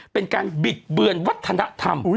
เป็นการบิดเบือนวัฒนธรรม